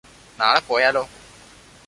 നാളെ പോയാലോ?